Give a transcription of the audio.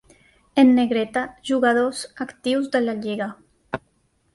En negreta jugadors actius de la lliga.